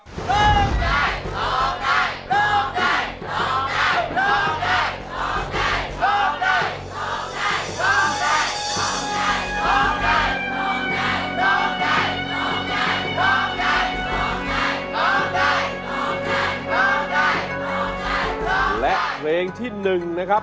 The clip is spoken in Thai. ร้องได้และเพลงที่๑นะครับ